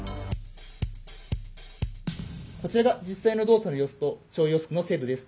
こちらが実際の動作の様子と潮位予測の精度です。